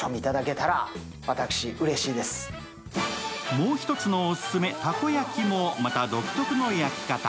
もう１つのオススメ、たこ焼きもまた独特の焼き方。